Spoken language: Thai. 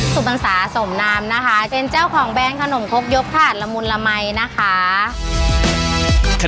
สุพรรษาสมนามนะคะเป็นเจ้าของแบรนด์ขนมครกยกถาดละมุนละมัยนะคะ